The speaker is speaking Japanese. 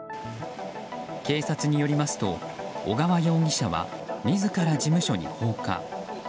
警察によりますと小川容疑者は自ら事務所に放火。